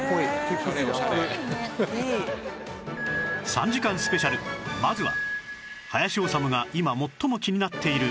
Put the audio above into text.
３時間スペシャルまずは林修が今最も気になっている